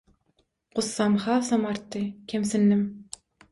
Gussam hasam artdy, kemsindim.